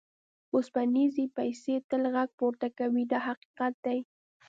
اوسپنیزې پیسې تل غږ پورته کوي دا حقیقت دی.